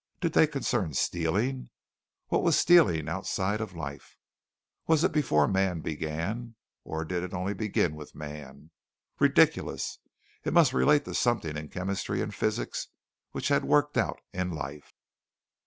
Did they concern stealing? What was stealing outside of life? Where was it before man began? Or did it only begin with man? Ridiculous! It must relate to something in chemistry and physics, which had worked out in life.